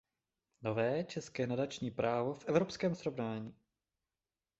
Nové české nadační právo v evropském srovnání.